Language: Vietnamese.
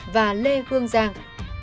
và lê hương giang